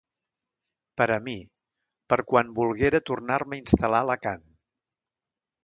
Per a mi, per quan volguera tornar-me a instal·lar a Alacant.